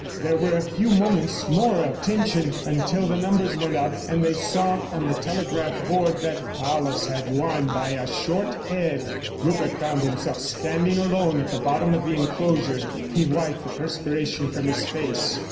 There were a few moments more of tension until the numbers went up and they saw on the telegraph board that Paulus had won by a short head. Rupert found himself standing alone at the bottom of the enclosure. He wiped the perspiration from his face.